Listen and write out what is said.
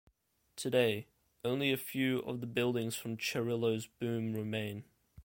Today, only a few of the buildings from Cerrillo's boom remain.